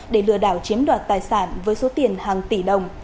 để lừa đảo chiếm đoạt tài sản với số tiền hàng tỷ đồng